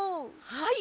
はい！